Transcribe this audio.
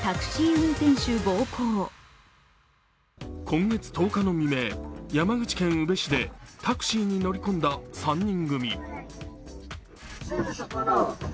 今月１０日の未明、山口県宇部市でタクシーに乗り込んだ３人組。